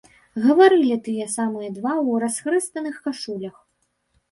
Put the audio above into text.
Гаварылі тыя самыя два ў расхрыстаных кашулях.